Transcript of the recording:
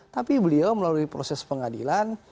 tapi beliau melalui proses pengadilan